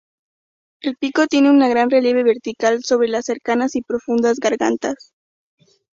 El pico tiene un gran relieve vertical sobre las cercanas y profundas gargantas.